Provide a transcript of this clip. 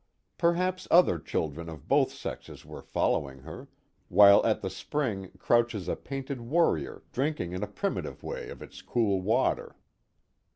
Perhaps other children of both sexes were following her, while at the spring crouches a painted warrior drinking in a primitive way of its cool water.